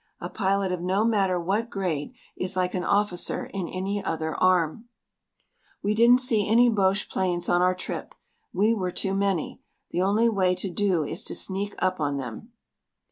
A pilot of no matter what grade is like an officer in any other arm. We didn't see any Boche planes on our trip. We were too many. The only way to do is to sneak up on them.